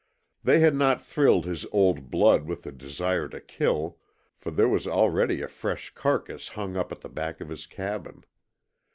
They had not thrilled his old blood with the desire to kill, for there was already a fresh carcass hung up at the back of his cabin.